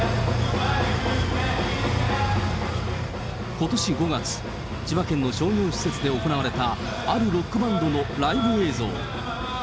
ことし５月、千葉県の商業施設で行われたあるロックバンドのライブ映像。